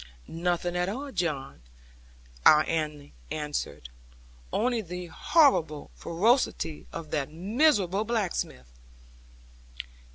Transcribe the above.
'Nothing at all, John,' our Annie answered; 'only the horrible ferocity of that miserable blacksmith.'